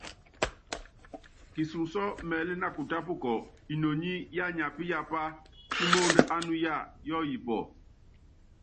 Kisunsɔ́ mɛ́ɛ́lɛ́ na kutápukɔ, inoni mániápíyapá ímóóndó ánuya yɔɔyipɔ.